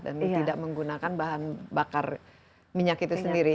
dan tidak menggunakan bahan bakar minyak itu sendiri